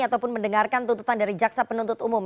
ataupun mendengarkan tuntutan dari jaksa penuntut umum